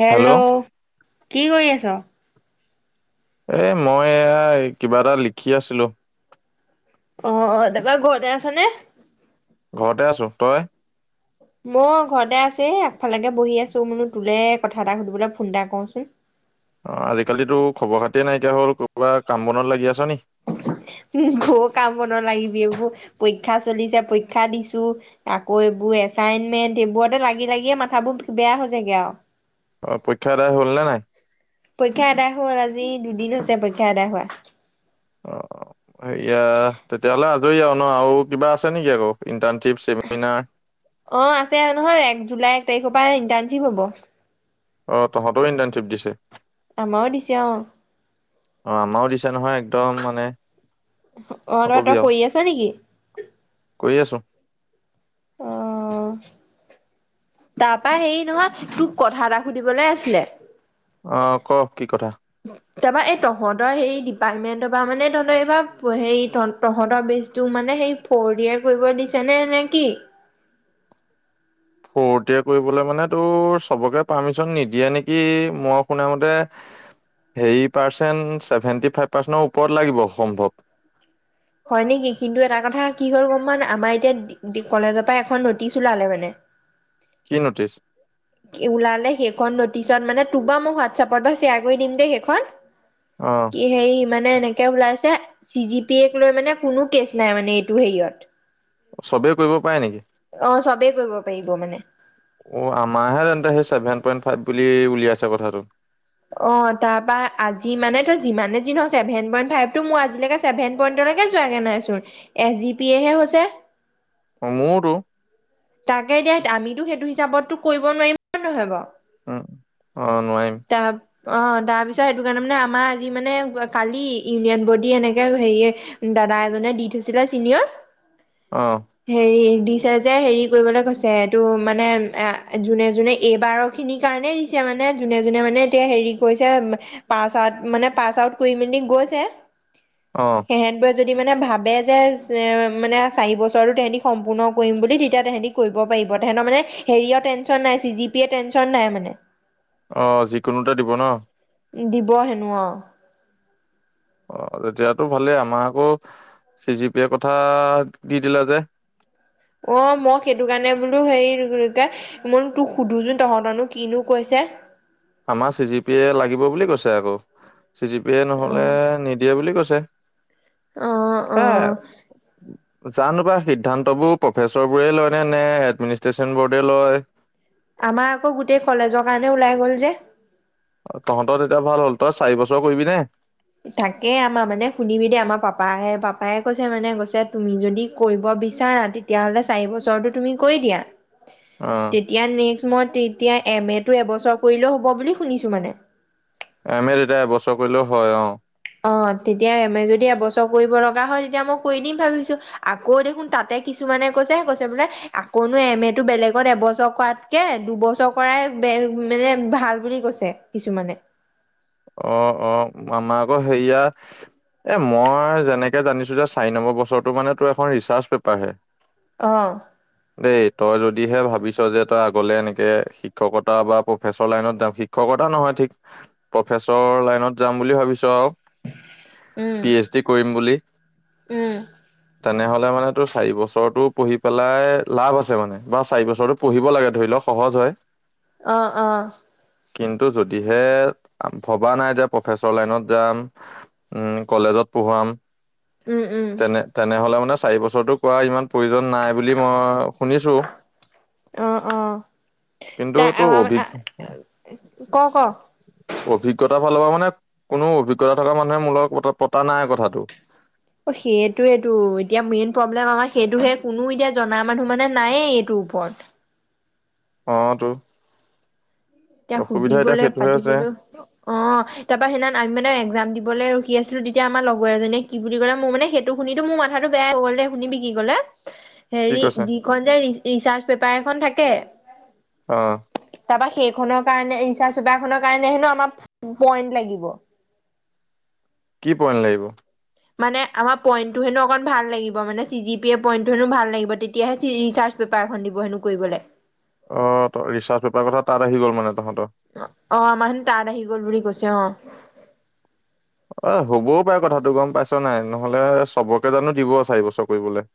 Hello কি কৰি আছ? এ মই এ কিবা এটা লিখি আছিলো। অঅ তাৰপা ঘৰতে আছ নে? ঘৰতে আছো তই মই ঘৰতে আছো এ আগফালেকে বহি আছো মই বোলো তোলে কথা এটা সুধিবলৈ ফোন এটা কৰোচোন । অ আজিকালিতো খবৰ খাতিয়ে নাইকিয়া হ'ল কৰবা কাম বনত লাগি আছ নেকি? কাম বনত লাগিবি এইবোৰ পৰীক্ষা চলিছে পৰীক্ষা দিছো, আকৌ এইবোৰ এচাইনমেন্ট এইবোৰতে লাগি লাগিয়ে মাথাবোৰ বেয়া হৈছেগে আৰু। অ পৰীক্ষা আদায় হ'ল নে নাই? পৰীক্ষা আদায় হল, আজি দুদিন হৈছে পৰীক্ষা আদায় হোৱা। অ সেয়া তেতিয়াহলে আজৰি আৰু ন আৰু কিবা আছে নেকি আকৌ ইণ্টান অ আছে নহয় এক জুলাই এক তাৰিখৰ পাই ইণ্টাৰনশিপ হ'ব। অ তহঁতও ইণ্টাৰনশ্বিপ দিছে আমাও দিছে অ অ আমাৰও দিছে নহয় একদম মানে। অ নকবি তই আৰু কৰি আছ নেকি? কৰি আছোঁ অ তাৰ পৰা সেই নহয় তোক কথা এটা সুধিবলৈ আছিলে। অ ক কি কথা তাৰপৰা এই তহঁতৰ হেৰি ডিপাৰ্টমেন্টৰ পৰা মানে তহঁতৰ এইবাৰ হে তহঁতৰ বেজটো মানে সেই ফৰ ইয়েৰ কৰিব দিছে নে নে কি? ফৰটে কৰিবলৈ মান তো চবকে পাৰ্মিছন নিদিয়ে নেকি মই শুনা মতে হেৰি পাৰ্চেণ্ট ছেভেন্টি ফাইভ পাৰ্চেণ্টৰ ওপৰত লাগিব সম্ভৱ। হয় নেকি কিন্তু এটা কথা কি হ'ল গম পাও নাই, আমাৰ এতিয়া কলেজৰ পৰা এখন নটিচ ওলালে মানে। কি নটিছ? ওলালে সেইখন নটিচত মানে তোক বা মো হোৱাটছএপৰ পৰা শ্বেয়াৰ কৰি দিম দেই সেইখন। অ কি সেই মানে এনেকে ওলাইছে চি জি পি এক লৈ মানে কোনো কেচ নাই মানে এইটো হেৰিয়ত। চবেই কৰিব পায় নেকি? অ চবেই কৰিব পাৰিব মানে অ আমাৰহে তেন্তে সেই ছেভেন পইন ফাইভ বুলি উলিয়াইছে কথাটো। অ তাৰ পৰা আজি মানে যিমান যি নহওঁক চেভেন পেইন্টফাইফটো মোৰ আজি লৈকে চেভেন পেইন্টলৈকে যোৱা নাই চোন এছ জি পিয়ে হৈছে অ মোৰোতো তাকে দিয়া আমিতো সেইটো হিচাপততো কৰিব নোৱাৰিম হয় নহয় বাৰু উম অ নোৱাৰিম তাপ অ তাৰপিছত সেইটো কাৰণে মানে আমাৰ আজি মানে কালি ইউনিয়ন বডি এনেকে হেৰিয়ে দাদা এজনে দি থৈছিলে অ চিনিয়ৰ হেৰি দিছে যে হেৰি কৰিবলে কৈছে এইটো মানে এ যোনে যোনে এইবাৰ খিনিৰ কাৰণেই দিছে মানে। যোনে যোনে মানে এতিয়া হেৰি কৰিছে পাছ আউট মানে পাছ আউট কৰি মেলি গৈছে। অ সেহেতবোৰে বোৰে যদি মানে ভাব বে যে মানে চাৰি বছৰতো তেহেতি সম্পূৰ্ণ কৰিম বুলি তেতিয়াহতেহেতি কৰিব পাৰিব তেহেতৰ মানে হেৰিঅ টেনচন নাই চি জি পি টেনচন নাই মানে। অ যিকোনোতে দিব ন দিব হেনো অ অ তেতিয়াতো ভালেই আমাক আকৌ চি জি পিয়ে কথা দি দিলে যে অ মই সেইটো কাৰণে বোলো হেৰি কি মই তোক সুধোচোন তহঁতনো কিনো কৈছে আমাৰ চি জি পি এ লাগিব বুলি কৈছে আকৌ চি জি পি এ নহলে নিদিয়া বুলি কৈছে অ অ ছে অ জানো বা সিদ্ধান্তবোৰ প্ৰফেচৰ বোৰে লয় নে নে এডমিনিষ্ট্ৰেশচন বৰ্ডে লয় আমাৰ আকৌ গোটেই কলেজৰ কাৰণে ওলাই গ'ল যে তহঁতৰ তেতিয়া ভাল হল তই চাৰি বছৰ কৰিবি নে তাকে আমাৰ মানে শুনিবি দে আমাৰ পাপাহে পাপায় কৈছে মানে কৈছে তুমি যদি কৰিব বিচাৰা তেতিয়াহলে চাৰি বছৰৰতো তুমি কৰি দিয়া। অ তেতিয়া নেক্স মই তেতিয়া এম এটো এবছৰ কৰিলেও হ'ব বুলি শুনিছো মানে আমে এতিয়া এবছৰ কৰিলেও হয় অ। অ তেতিয়া এম এ যদি এবছৰ কৰিব লগা হয় তেতিয়া মই কৰি দিম ভাবিছো আকৌ দেখোন তাতে কিছুমানে কৈছেহে কৈছে বোলে আকৌনো এম এটো বেলেগত এবছৰ কৰাতকে দুবছৰ কৰাই মানে ভাল বুলি কৈছে কিছুমানে। অ অ আমাক আকৌ হেয়া এ মই যেনেকে জানিছো যে চাৰি নম্বৰ বছৰৰতো মানে তোৰ এখন ৰিচাৰ্চ পেপাৰ আহে। অ দেই তই যদিহে ভাবিছ যে। তই আগলে এনেকে শিক্ষকতা বা প্ৰফেচৰ লাইনত যাৱ শিক্ষকতা নহয় ঠিক প্ৰফেচৰ লাইনত যাম বুলি ভাবিছ আৰু উম পি এইচ ডি কৰিম বুলি উম। তেনেহলে মানে তোৰ চাৰি বছৰৰতো পঢ়ি পেলাই লাভ আছে মানে বা চাৰি বছৰতৰতো পঢ়িব লাগে ধৰি লওঁক সহজ হয়। অ অ কিন্তু যদিহে ভবা নাই যে প্ৰফেচৰ লাইনত যাম, উ কলেজত পঢ়ুৱাম উম উম তেনে তেনেহ'লে মানে চাৰি বছৰৰতো কৰা ইমান প্ৰয়োজন নাই বুলি মই শুনিছো অ অ ত ।কিন্তু তো অভিজ্ঞ ক ক অভিজ্ঞতাৰ ফালৰ পৰা মানে, কোনো অভিজ্ঞতা থকা মানুহে মোৰ লগত পতা নাই কথাটো। অ সেইটোৱেইটো। এতিয়া, মেইন প্ৰব্লেম আমাৰ সেইটোহে কোনো এতিয়া জনা মানুহ মানে নায়েই এইটোৰ ওপৰত। অটো'। এতিয়া সুধিবলে পাতিবলৈ অ' তাৰ পৰা সেইদিনা আমি মানে একজাম দিবলে ৰখি আছিলো তেতিয়া আমাৰ লগৰ এজনীয়ে কি বুলি কলে মোৰানে সেইটো শুনো মোৰ মথাটো বেয়া হৈ গ'লে, শুনিবি কি ক'লে? কি হেৰি কৈছে যিখন যে ৰিচাৰ্চ পেপাৰ এখন থাকে। অ' তাৰপা খনৰ কাৰণে ৰিচাচ-পেপাৰ খনৰ কাৰণে হেনো আমাৰ পইন্ট লাগিব। পইন্ট লাগিব। মানে আমাৰ পইন্ট টো হেনো অকন ভাল লাগিব, মানে C G P A point টো হেনো ভাল লাগিব অ' ত, ৰিচাৰ্চ পেপাৰ কথা তাত আহি গ'ল মানে। তহঁতৰ। অ'অ, আমাৰ হিনি তাঁত আহি গল বুলি কৈছে। অ, অ' হ'বও পাৰে কথাটো গম পাইছ নাই? নহলে চবকে জানো দিব চাৰি বছৰ কৰিবলৈ।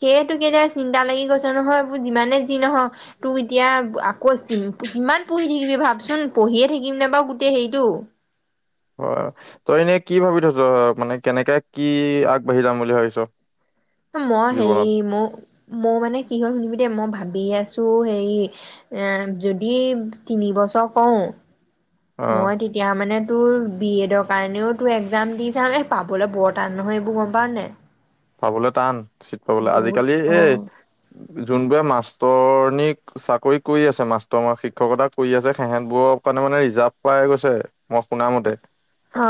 সেইটো কাৰণে চিন্তা লাগি গৈছে নহয়। যিমানে যি নহওক তোক এতিয়া আকৌ কিমান পঢ়ি থাকিবি ভাবচোন পঢ়িয়ে থাকিম, নে বাৰু গোটেই হেৰিটো। হয়। তই এনেই কি ভাবি থৈছ মানে কেনেকে কি আগবাঢ়ি যাম বুলি ভাবিছ মই হেৰি জীৱনত মোৰ মই মানে কি হল শুনিবি দে মই ভাব ভাবি আছো হে এ যদি তিনিবছৰ কৰোঁ অ' মই তেতিয়া মানে তোৰ বি এডৰ কাৰণেও তোৰ একজাম দি যাম। এ পাবলৈ বৰ টান নহয় এইবোৰ গম পাও নে? পাবলৈ টান চিট পাবলৈ ।আজিকালি অ এই যোনবোৰে মাষ্টৰনীক চাকৰি কৰি আছে, মাষ্টৰ শিক্ষকতা কৰি আছে, সিহেঁতবোৰৰ কাৰণে মানে ৰিজাৰ্ভ পাই গৈছে মই শুনা মতে।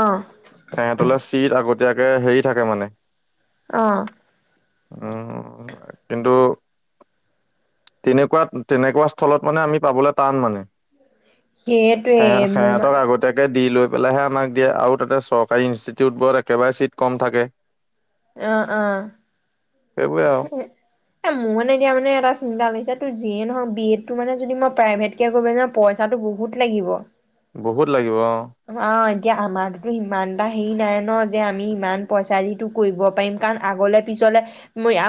অ চিট আগতে তিয়াকে হেৰি থাকে মানে অহ'। উম'কিন্তু, তেনেকুৱাত তেনেকুৱা স্থলত মানে আমি পাবলে টান মানে। সেইটোৱে সে মোৰ সেহতক আগতীয়াকে দি লৈ পেলাইহে আমাক দিয়ে আৰু তাতে চৰকাৰী ইনষ্টিটিউটবোৰত একেবাৰে চিট কম থাকে। আহ' আহ'। সেইবোৰে আও। এ মোৰ মানে এতিয়া মানে এটা চিন্তা লাগিছে ত যিয়ে নহ বি এড তো যদি মই প্ৰাইভেট কে কৰিব যাও পইচাটো বহুত লাগিব। বহুত লাগিব, অ'। এতিয়া আমাৰতো ইমান এটা হেৰি নাই ন, যে আমি ইমান পইচা দিটো কৰিব পাৰিম কাৰণ আগলৈ-পিছলে মই,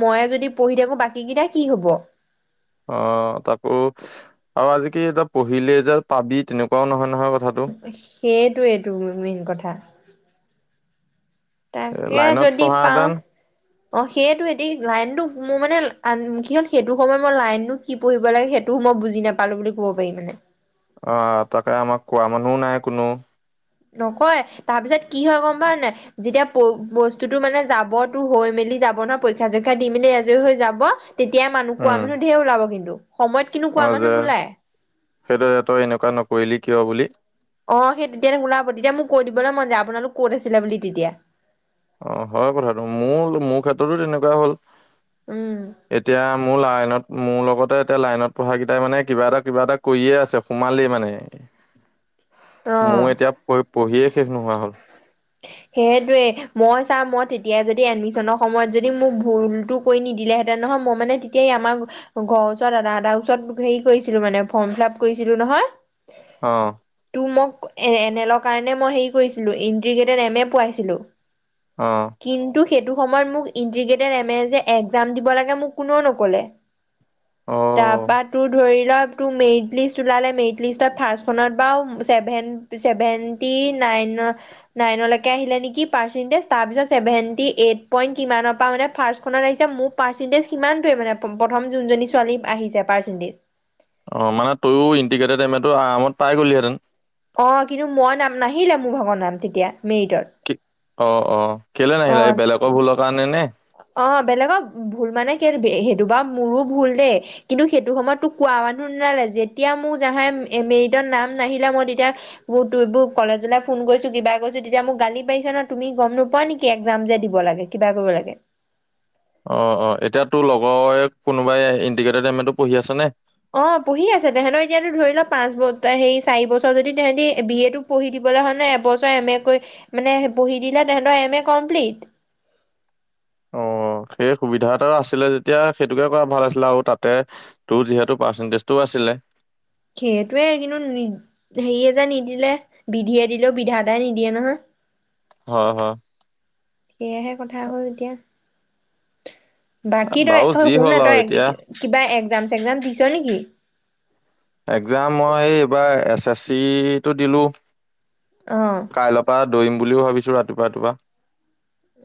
মই যদি পঢ়ি থাকো বাকী কেইটা কি হব? অ', তাকো আৰু আজি কি এতিয়া পঢ়িলে যে পাবি তেনেকুৱাও নহয়, নহয় কথাটো উ [unintelligible] সেইটোৱেইটো মেইন কথা। এ তাকে, লাইনত যদি পাওঁ পঢ়াহেঁতেন অ সেইটোয়েদি লাইনতটো মোৰ মানে কি হ'ল, সেইটো সময়ত মই লাইনটো কি পঢ়িব লাগে, সেইটো মই বুজি নাপালো বুলি কব পাৰি মানে । অ তাকে, আমাক কোৱা মানুহ নাই কোনো । নকয়, তাৰপিছত কি হয় গম পাৱ নাই, যেতিয়া বস্তুটো মানে যাব তো হৈ মেলি যাব নহ পৰীক্ষা চৰীক্ষা দি মেলি এজৰি হৈ যাব, তেতিয়া মানুহ কোৱা উম মানুহ ধেই ওলাব কিন্তু । অ যে সেইটোত এনেকুৱা ন, কৰিলি কিয় বুলি । অ সেই তেতিয়া ওলাব। তেতিয়া মোক কৈ দিবলৈ মন যায় আপোনালোক কত আছিলে বুলি তেতিয়া । অ হয় কথাটো, মোৰ মোৰ ক্ষেত্ৰতো তেনেকুৱা হ'ল উম । এতিয়া মোৰ লাইনত, মোৰ লগতে এতিয়া লাইনত পঢ়া কেইটাই মানে কিবা এটা কিবা এটা কৰিয়ে আছে, সোমালেই মানে অ । মোৰ এতিয়া পঢ় পঢ়িয়ে, শেষ নোহোৱা হ'ল। সেইটোয়ে । মই চা মই তেতিয়াই যদি এডমিচনৰ সময়ত যদি মোক ভুলটো কৈ নিদিলে হেঁতেন নহয়, মই মানে তেতিয়াই আমাৰ ঘৰৰ ওচ ওচৰত হেৰি কৰিছিলোঁ মানে ফৰ্ম ফিলাপ কৰি নহয় । অ । মোক এ এনেলৰ কাৰণে মই হেৰি কৰিছিলো, এম এ পাইছিলো অ । কিন্তু, সেইটো সময়ত মোক ইটিগ্ৰেটেৰ এম এ যে একজাম দিব লাগে, মোক কোননেও নক'লে । অ তাৰপা তো ধৰি লওক, তো মেৰিট লিষ্ট ওলালে, মেৰিট লিষ্টত ফাৰ্ষ্ট খনত আও ছেভেন চেভেত্নি নাইনৰ, নাইনলৈকে আহিলে নেকি পাৰ্চেন্টেজ, তাৰপিছত চেভেণ্টি এইট পইন্ট কিমানপা মানে ফাৰ্ষ্টখনত আহিছে, মোৰ পাৰ্চেন্টেজ সিমানটোৱে মানে, প্ৰথম যোনজনি ছোৱালী আহিছে পাৰ্চেন্টেজ । অ মানে তইয়ও ইণ্টিগ্ৰেটেড এম এ টো আৰামত পাই গলিহেঁতেন? অ । কিন্তু মই নাম নাহিলে মোৰ ভাগৰ নাম তেতিয়া মেৰিটত । কি অ অ । কেলে নাহিলে? এই বেলেগৰ ভুলৰ কাৰণে নে? অ বেলেগক ভুল মানে সেইটো বা মোৰো ভুল দেই, কিন্তু সেইটো সময়ত তোক কোৱা মানুহ নোলালে । যেতিয়া মোৰ যাহাই মেৰিটৰ নাম নাহিলে, মই তেতিয়া ত এইবোৰ কলেজলৈ ফোন কৰিছো কিবা কৰিছো, তেতিয়া মোক গালি পাৰিছে, ন তুমি গম নোপোৱা নেকি একজাম যে দিব লাগে কিবা কৰিব লাগে । অ অ । এতিয়া তোৰ লগৰ কোনোবাই ইণ্ডিকেটড এম এটো পঢ়ি আছে নে? অ পঢ়ি আছে । তেহেঁতৰ এতিয়াতো ধৰি ল পাঁচ স চাৰি বছৰ যদি তে বি এটো পঢ়ি দিবলৈ হয় ন, এবছৰ এম এ কৰি মানে পঢ়ি দিলে তেহেতৰ এম এ কমপ্লিট। অ সেই সুবিধা এটা আছিলে যেতিয়া সেইটোকে কৰা ভাল আছিলে আৰু তাতে তোৰ যিহেতু পাৰ্চেন্টেজটো আছিলে । সেইটোৱে, কিন্তু হেৰিয়ে যে নিদিলে, বিধিয়ে দিলেও বিধাটাই নিদিয়ে নহয় । হয় হয় । সেয়াহে কথা হ'ল এতিয়া । বাকী তই বাৰু হয় যি শুনা হ'ল আৰু তই এতিয়া কিবা এক, । এক্সাম চেকযাম দিছ নেকি? এক্সাম মই এইবাৰ, চাচিটো দিলো । অহ। দৌৰিম বুলিও ভাবিছো ৰাতিপুৱা ৰাতিপুৱা ।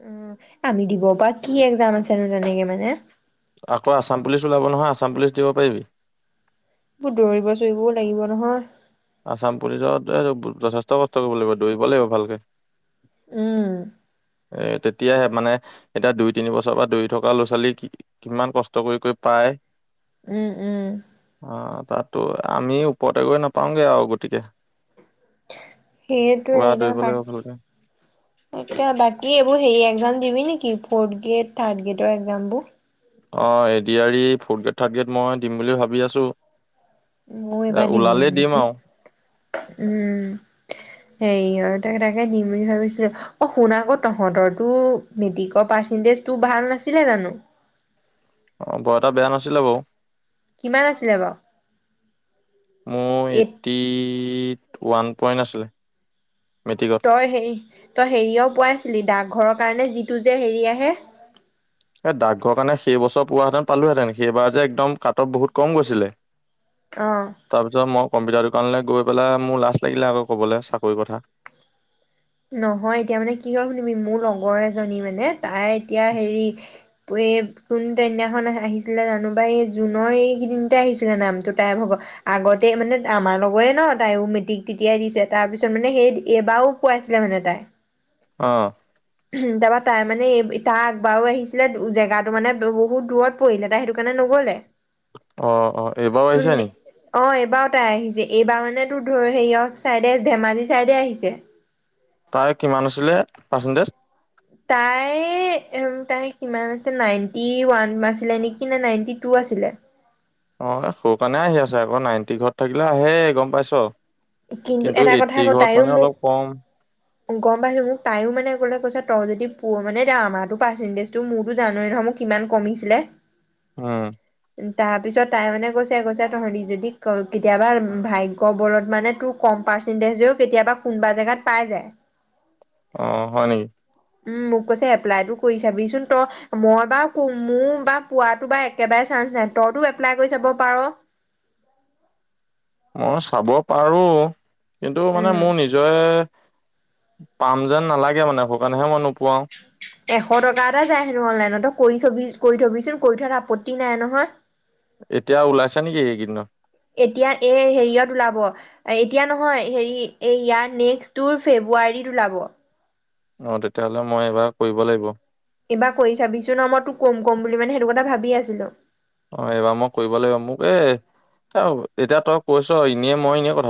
উ আমি দিব বা কি এক্জাম আছেনো তেনেকে মানে আকৌ আসাম পুলিচ ওলাব নহয়, আসাম পুলিচ দিব পাৰিবি। এইবোৰ দৌৰিব চৌৰিবও লাগিব নহয় [unintelligible] আছাম পুলিচত যথেষ্ট কষ্ট কৰিব লাগিব, দৌৰিব লাগিব ভালকে। উম, অ তে। তেতিয়াহে মানে এতিয়া দুই তিন বছৰ পৰা দৌৰি থকা ল'ৰা-ছোৱালী কিমান কষ্ট কৰিকৈ পায়। উম, উম, অ তাত ত' আমি ওপৰতে গৈ নাপাওঁ পাওঁগে আও গতিকে পুৰা সেইটোৱেই ন দৌৰিব লাগিব বাকী ভালকে। এয়া, বাকী এইবোৰ হেৰি একজাম দিবি নেকি? কি ফৰ্থ গ্ৰেড, থাৰ্ড গ্ৰেডৰ এক্জামবোৰ অৱ এডয়াৰি ফৰ্থ গ্ৰেড থাৰ্ড গ্ৰেড মই দিম বুলি ভাবি আছো। মইও এইবা এ দিম ওলালেই নেকি? আৰু উম হে তাকে দিম বুলি ভাবিছিল অ শুনা আকৌ তহঁতৰো মেট্ৰিক পাৰ্চেন্টেজটো ভাল নাছিলে জানোঁ? অ বৰ এটা বেয়া নাছিলে বাওঁ। কিমান আছিলে বাওঁ মোৰ এইতটি ওৱান পইন্ট আছিলে। মেট্ৰিকত তই সেই তই হেৰিয়াও পোৱাইছিলি ডাকঘৰৰ কাৰণে যিটো যে হেৰি আহে এই ডাকঘৰ কাৰণে সেই বছৰ পোৱাহেঁতেন পালোহেতেন সেইবাৰ যে একদম কাটপ বহুত কম গৈছিলে অ । তাৰপিছত মই কম্পিউটাৰ দোকানলে গৈ পেলাই মোৰ লাজ লাগিলে আকৌ ক'বলৈ চাকৰি কথা । নহয় এতিয়া মানে কিয় শুনিৱি মোৰ লগৰ এজনী মানে তাই এতিয়া হেৰি এই কোন তেইদিনাখন আহিছিলে জানোবা এই জুনৰ এইকেইদিনতে আহিছিলে নামটো তাইৰ ভাগৰ আগতে মানে আমাৰ লগৰে ন তাইও মেট্ৰিক তেতিয়াই দিছে তাৰপিছত মানে সেই এইবাৰো খুৱাইছিলে মানে তাই অ উম তাপা তাই মানে তাৰ আগবাৰো আহিছিলে জেগাটো মানে বহুত দূৰত পৰিলে তাই সেইটো কাৰণে নগলে। অ অ এইবাৰো আহিছা নেকি এইবাৰ তাই আহিছে এইবাৰ মানে তোৰ হেৰিয় চাইডে ধেমাজি চাইডে আহিছে [unintelligible] [unintelligible] তাৰ কিমান আছিলে পাৰ্চেণ্টিজ তাইৰ তাই কিমান আছিল নাইনটি ওৱান আছিলে নেকি নে নাইনটি টু আছিলে অ সৰু কাৰণে আহি আছে আকৌ নাইনটি ঘৰত থাকিলে আহে গম পাইছ কিন্তু এটা কথা এইট্টি আকৌ ঘৰত তাইও মানে মোক, অলপ কম গম পাইছো মোক তাইও মানে লে কৈছা তই যদি প মানে আমাৰো পাৰ্চেন্টেজটো মোৰতো জানোৱেই নহয় মোক কিমান কমিছিলে হম তাৰ পিছত তাই মানে কৈছে কৈছে তহঁতি যদি কেতিয়াবা ভাগ্যবলত মানে কম পাৰ্চন্টিজেও কেতিয়াবা কোনোবা এজেগাত পাই যায়। অ হয় নেকি উম মোক কৈছে এপ্লাইতটো কৰি চাবিচোন তই মই বাও মোৰ বা পোৱাতো বা একেবাৰে চাইন্স নাই তইতো এপ্লাই কৰি চাব পাৰঅ'। মই চাব পাৰোঁ। কিন্তু মানে উম মোৰ নিজৰে পাম যেন নালাগে মানে সু কাৰণেহে মন কোৱাহ এশ টকা এটা যায় হেনো অনলাইনতো কৰি থবি কৰি থবিচোন কৰি থলে আপত্তি নাই নহয় এতিয়া ওলাইছে নেকি এইকেইদিনত? এতিয়া এই হেৰিয়ত ওলাব এতিয়া নহয় হেৰি এই ইয়াত নেক্সটৰ ফেব্ৰুৱাৰীত ওলাব অ তেতিয়াহ'লে মই এইবাৰ কৰিব লাগিব। এইবাৰ কৰি চাবিছো ন মই তোক কম কম বুলি মানে সেইটো কথা ভাবি আছিলো। অ এইবাৰ মই কৰিব লাগিব মোক এ এতিয়া তই কৈছ এনে মই এনেই কথাটো